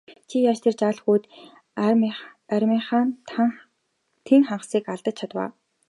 Чи яаж тэр жаал хүүд армийнхаа тэн хагасыг алдаж чадав?